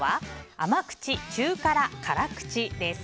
甘口・中辛・辛口です。